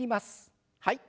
はい。